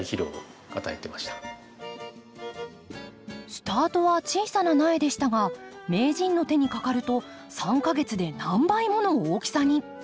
スタートは小さな苗でしたが名人の手にかかると３か月で何倍もの大きさに。